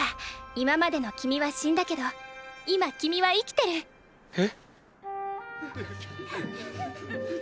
今までの君は死んだけど今君は生きてる。へ